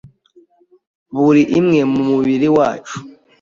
buri imwe mu mubiri wacu